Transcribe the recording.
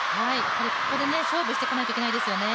ここで勝負していかないといけないですね。